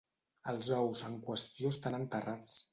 Els ous en qüestió estan enterrats.